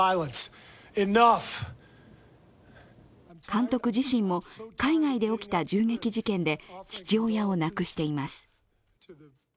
監督自身も海外で起きた銃撃事件で父親を亡くしています。